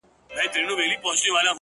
تنکی رويباره له وړې ژبي دي ځارسم که نه؛